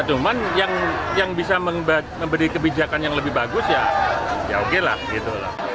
cuman yang bisa memberi kebijakan yang lebih bagus ya oke lah gitu loh